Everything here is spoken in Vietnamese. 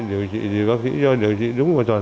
điều trị thì bác sĩ cho điều trị đúng một tuần